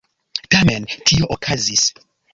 Tamen tio okazis.